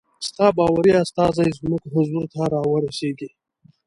ستا باوري استازی زموږ حضور ته را ورسیږي.